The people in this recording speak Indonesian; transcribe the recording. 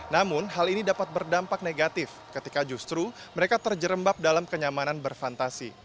namun hal ini dapat berdampak negatif ketika justru mereka terjerembab dalam kenyamanan berfantasi